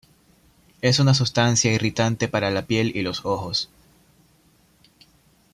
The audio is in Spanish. Es una sustancia irritante para la piel y los ojos.